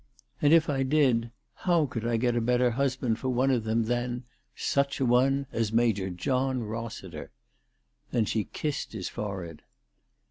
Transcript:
And if I did, how could I get a better husband for one of them than such a one as Major John Rossiter ?" Then she kissed his forehead.